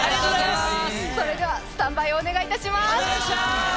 それではスタンバイお願いします！